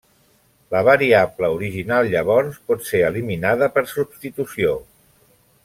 La variable original llavors pot ser eliminada per substitució.